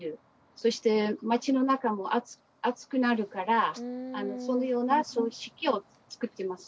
そして街の中も暑くなるからそのような組織を作ってますね。